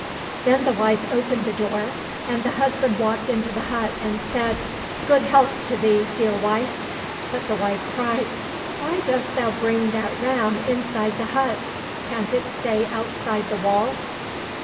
— Then the wife opened the door, and the husband walked into the hut and said, " Good health to thee, dear wife !"— But the wife cried, " Why dost thou bring that ram inside the hut, can't it stay outside the walls